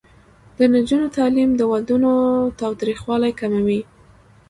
د نجونو تعلیم د ودونو تاوتریخوالي کموي.